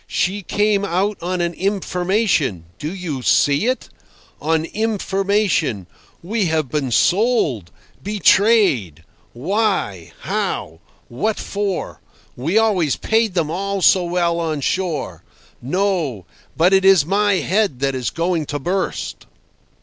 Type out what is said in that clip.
She came out on an information—do you see, it?—on information. ... We have been sold—betrayed. Why? How? What for? We always paid them all so well on shore. ... No! But it is my head that is going to burst."